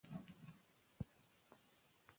موږ اوس اصلاح عملي کوو.